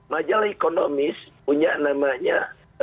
majalah ekonomis punya namanya